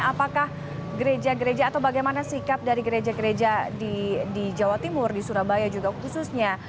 apakah gereja gereja atau bagaimana sikap dari gereja gereja di jawa timur di surabaya juga khususnya